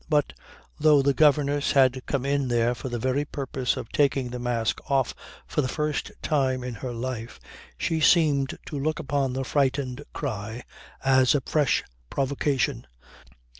But, though the governess had come in there for the very purpose of taking the mask off for the first time in her life, she seemed to look upon the frightened cry as a fresh provocation.